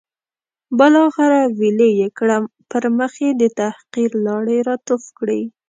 بالاخره ویلې یې کړم، پر مخ یې د تحقیر لاړې را توف کړې.